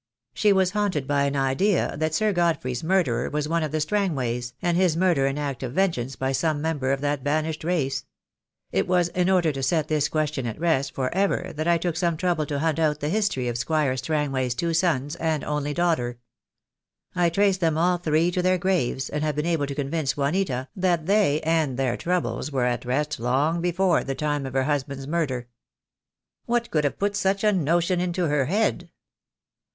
"She was haunted by an idea that Sir Godfrey's murderer was one of the Strangways, and his murder an THE DAY WILL COME. H3 act of vengeance by some member of that banished race. It was in order to set this question at rest for ever that I took some trouble to hunt out the history of Squire Strangway's two sons and only daughter. I traced them all three to their graves, and have been able to convince Juanita that they and their troubles were at rest long before the time of her husband's murder." "What could have put such a notion into her head?"